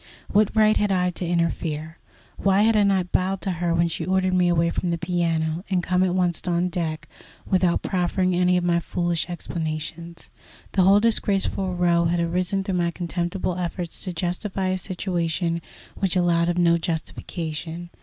What right had I to interfere? Why had I not bowed to her when she ordered me away from the piano, and come at once on deck, without proffering any of my foolish explanations? The whole disgraceful row had arisen through my contemptible efforts to justify a situation which allowed of no justification.